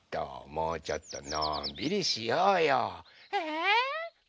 もうちょっとのんびりしようよ。えっ。